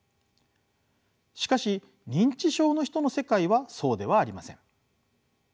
しかし認知症の人の世界はそうではありません。